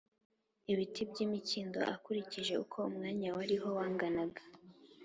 ibiti by imikindo akurikije uko umwanya wariho wanganaga